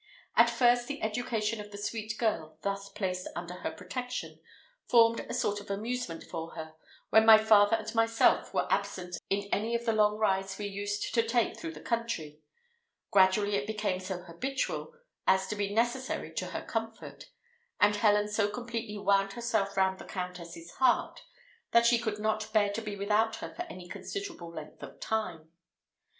At first, the education of the sweet girl, thus placed under her protection, formed a sort of amusement for her, when my father and myself were absent in any of the long rides we used to take through the country gradually it became so habitual as to be necessary to her comfort; and Helen so completely wound herself round the Countess's heart, that she could not bear to be without her for any considerable length of time.